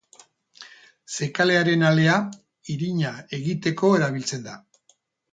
Zekalearen alea, irina egiteko erabiltzen da.